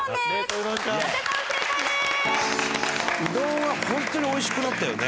うどんはホントに美味しくなったよね。